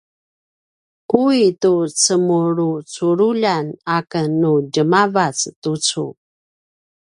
ui tu cemulucululjan aken nu djemavac tucu